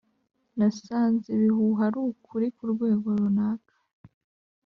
nasanze ibihuha ari ukuri kurwego runaka.